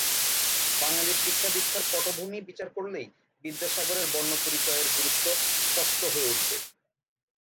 বাঙালির শিক্ষা-দীক্ষার পটভূমি বিচার করলেই বিদ্যাসাগরের "বর্ণপরিচয়"-এর গুরুত্ব স্পষ্ট হয়ে উঠবে।